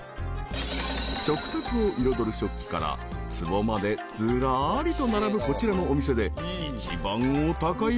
［食卓を彩る食器からつぼまでずらりと並ぶこちらのお店で］